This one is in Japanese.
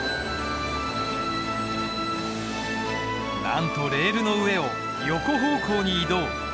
なんとレールの上を横方向に移動。